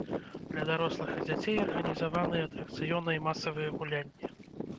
Для дарослых і дзяцей арганізаваныя атракцыёны і масавыя гулянні.